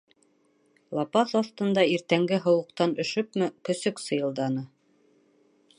Лапаҫ аҫтында, иртәнге һыуыҡтан өшөпмө, көсөк сыйылданы.